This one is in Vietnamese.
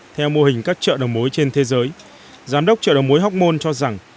theo mô hình các chợ đầu mối trên thế giới giám đốc chợ đầu mối hóc môn cho rằng